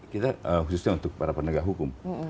kita khususnya untuk para penegak hukum